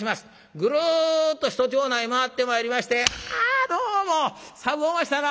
ぐるっと一町内回ってまいりまして「あどうも寒うおましたな。